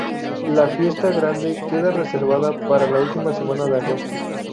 La fiesta grande queda reservada para la última semana de agosto.